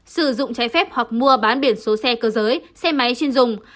sử dụng trái phép hoặc mua bán biển số xe cơ giới xe máy chuyên dùng